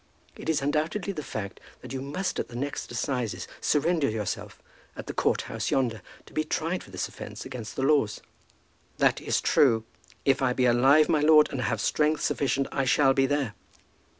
It is undoubtedly the fact that you must at the next assizes surrender yourself at the court house yonder, to be tried for this offence against the laws." "That is true. If I be alive, my lord, and have strength sufficient, I shall be there."